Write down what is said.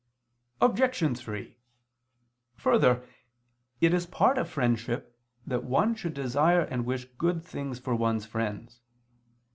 Obj. 3: Further, it is part of friendship that one should desire and wish good things for one's friends.